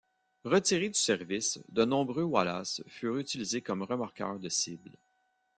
Retirés du service, de nombreux Wallace furent utilisés comme remorqueurs de cibles.